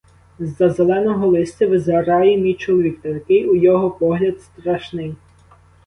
З-за зеленого листя визирає мій чоловік, та такий у його погляд страшний!